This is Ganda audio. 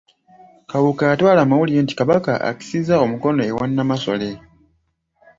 Kabuuka y'atwala amawulire nti kabaka akisizza omukono ewa Namasole.